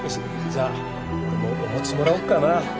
じゃあ俺もお餅もらおっかな。